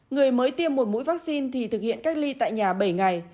người mới tiêm một mũi vaccine thì thực hiện cách ly tại nhà bảy ngày